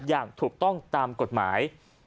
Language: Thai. อย่างถูกต้องตามกฎหมาย